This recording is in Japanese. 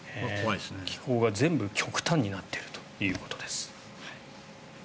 気候が全部極端になっているということです。